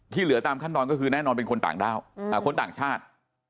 เหลือตามขั้นตอนก็คือแน่นอนเป็นคนต่างด้าวคนต่างชาติ